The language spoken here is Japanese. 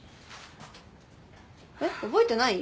えっ覚えてない？